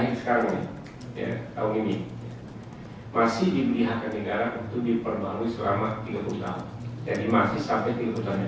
jadi masih sampai tiga puluh tahun yang akan datang